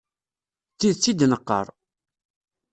D tidet i d-neqqar.